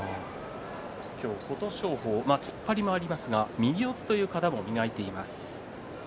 今日、琴勝峰突っ張りもありますが右四つという型も磨いています。